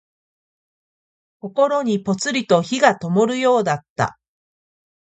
心にぽつりと灯がともるようだった。